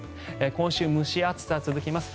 今週蒸し暑さが続きます。